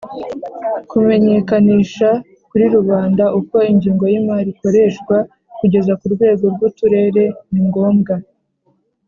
kumenyekanisha kuri rubanda uko ingengo y'imari ikoreshwa kugeza ku rwego rw'uturere ni ngombwa.